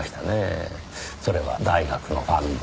それは大学のファンド。